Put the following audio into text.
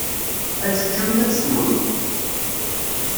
Ad teččemt, ad teswemt.